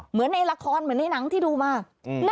เหมือนในละครเหมือนในหนังที่ดูมา